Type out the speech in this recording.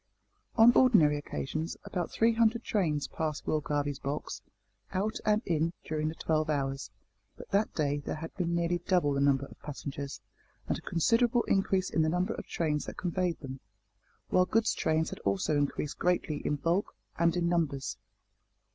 On ordinary occasions about three hundred trains passed Will Garvie's box, out and in, during the twelve hours, but that day there had been nearly double the number of passengers, and a considerable increase in the number of trains that conveyed them, while goods trains had also increased greatly in bulk and in numbers.